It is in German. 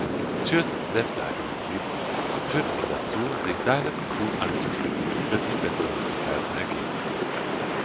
Tyrs Selbsterhaltungstrieb führt ihn dazu, sich Dylans Crew anzuschließen, bis sich bessere Möglichkeiten ergeben.